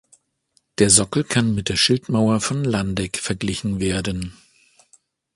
Der Sockel kann mit der Schildmauer von Landeck verglichen werden.